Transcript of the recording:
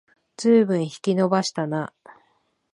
ずいぶん引き延ばしたな